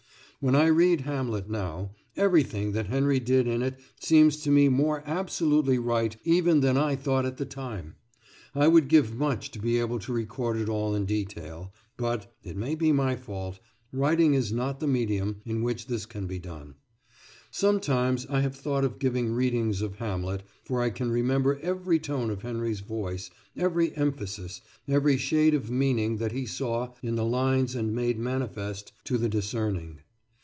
When I read "Hamlet" now, everything that Henry did in it seems to me more absolutely right even than I thought at the time. I would give much to be able to record it all in detail, but it may be my fault writing is not the medium in which this can be done. Sometimes I have thought of giving readings of "Hamlet," for I can remember every tone of Henry's voice, every emphasis, every shade of meaning that he saw in the lines and made manifest to the discerning.